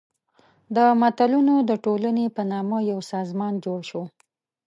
د ملتونو د ټولنې په نامه یو سازمان جوړ شو.